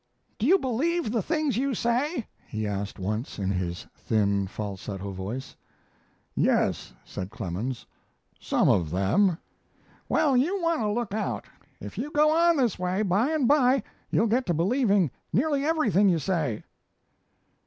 "Do you believe the things you say?" he asked once, in his thin, falsetto voice. "Yes," said Clemens. "Some of them." "Well, you want to look out. If you go on this way, by and by you'll get to believing nearly everything you say."